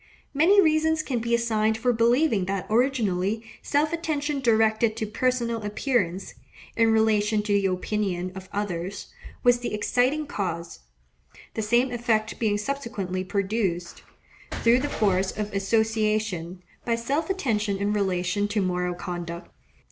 Many reasons can be assigned for believing that originally self attention directed to personal appearance, in relation to the opinion of others, was the exciting cause; the same effect being subsequently produced, through the force of association, by self attention in relation to moral conduct.